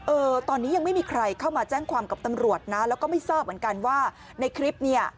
เออตอนนี้ยังไม่มีใครเข้ามาแจ้งความกับตำรวจนะแล้วก็ไม่ทราบเหมือนกันว่าในคลิปเนี่ย